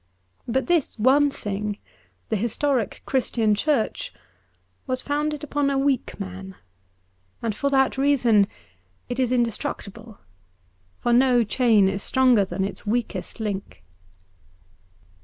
But this one thing — ^the historic Christian Church — was founded upon a weak man, and for that reason it is indestructible. For no chain is stronger than its weakest link.